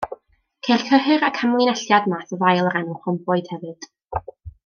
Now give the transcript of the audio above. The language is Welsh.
Ceir cyhyr ac amlinelliad math o ddail o'r enw rhomboid hefyd.